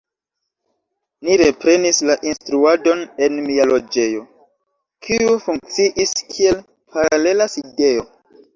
Ni reprenis la instruadon en mia loĝejo, kiu funkciis kiel paralela sidejo.